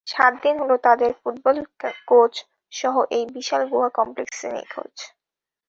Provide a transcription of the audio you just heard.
সাত দিন হল তাদের ফুটবল কোচ সহ এই বিশাল গুহা কমপ্লেক্সে নিখোঁজ।